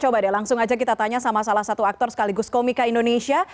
coba deh langsung aja kita tanya sama salah satu aktor sekaligus komika indonesia